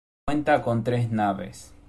Cuenta con tres naves.